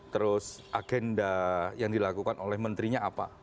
terus agenda yang dilakukan oleh menterinya apa